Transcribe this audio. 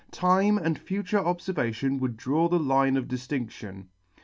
Time and future obfervation would draw the line of diftindtion.